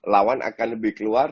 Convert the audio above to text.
lawan akan lebih keluar